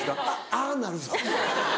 ああなるぞ。